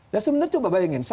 ya sebenernya coba bayangin